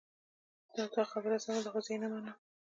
د تا خبره سمه ده خو زه یې نه منم